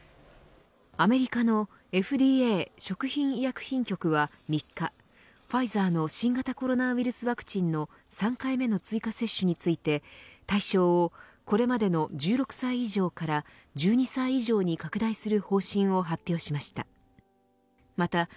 アメリカのＦＤＡ食品医薬品局は３日ファイザーの新型コロナウイルスワクチンの３回目の追加接種について対象をこれまでの１６歳以上から１２歳以上に拡大する方針を発表しました。